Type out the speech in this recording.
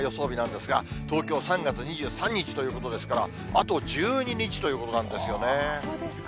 日なんですが、東京３月２３日ということですから、あと１２日ということなんですよね。